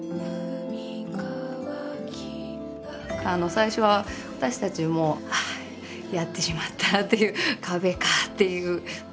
最初は私たちもああやってしまったっていう壁かっていう。